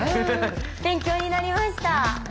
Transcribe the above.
勉強になりました。